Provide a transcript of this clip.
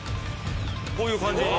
こういう感じに。